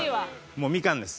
もうミカンです。